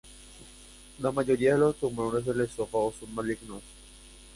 La mayoría de los tumores del esófago son malignos.